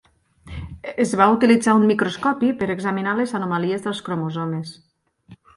Es va utilitzar un microscopi per examinar les anomalies dels cromosomes.